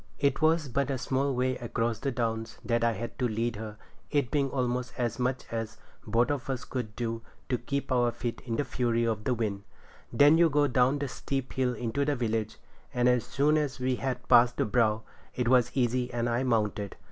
It was but a small way across the Downs that I had to lead her, it being almost as much as both of us could do to keep our feet in the fury of the wind. Then you go down the steep hill into the village, and as soon as we had passed the brow, it was easy and I mounted.